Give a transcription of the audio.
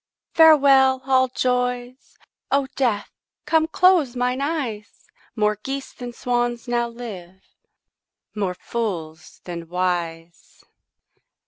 Farewell, all joys; O Death, come close mine eyes; More geese than swans now live, more fools than wise.